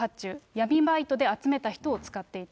闇バイトで集めた人を使っていた。